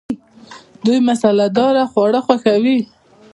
دوی مساله دار خواړه خوښوي.